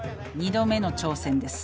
「２度目の挑戦です」